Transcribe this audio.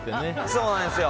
そうなんですよ。